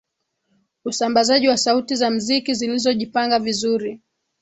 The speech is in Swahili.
usambazaji wa sauti za mziki zilizojipanga vizuri